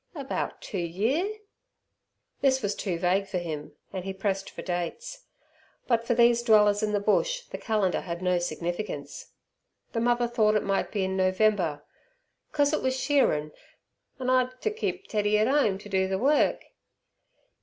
"About two year." This was too vague for him, and he pressed for dates. But for these dwellers in the bush the calendar had no significance. The mother thought it might be in November. "Cos it wus shearin', an' I'd ter keep Teddy at 'ome ter do ther work."